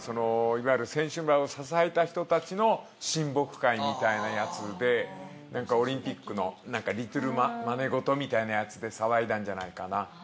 選手村を支えた人たちの親睦会みたいなやつでオリンピックのマネ事みたいなやつで騒いだんじゃないかな。